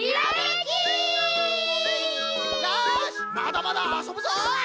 よしまだまだあそぶぞい！